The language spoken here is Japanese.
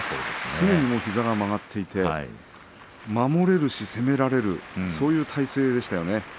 すぐ膝が曲がっていて守れるし攻められるそういう体勢でしたね。